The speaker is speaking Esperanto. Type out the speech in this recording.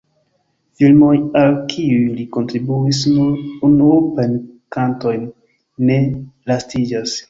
Filmoj, al kiuj li kontribuis nur unuopajn kantojn, ne listiĝas.